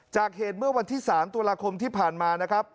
จากเหตุเมื่อวันที่๓ตุลาคมที่ผ่านมานะครับ